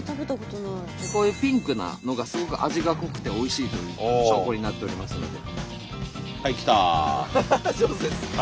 こういうピンクなのがすごく味が濃くておいしいという証拠になっておりますので。